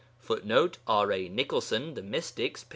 [Footnote: R. A. Nicholson, The Mystics, p.